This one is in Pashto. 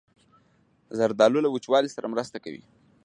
زردالو له وچوالي سره مرسته کوي.